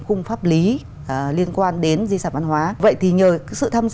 cung pháp lý liên quan đến di sản văn hóa